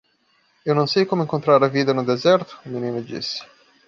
"Eu não sei como encontrar a vida no deserto?" o menino disse.